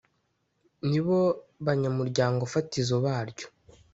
ni bo banyamuryango fatizo baryo